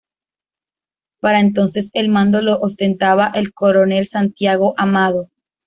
Para entonces el mando lo ostentaba el coronel Santiago Amado.